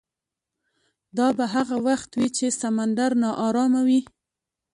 دا به هغه وخت وي چې سمندر ناارامه وي.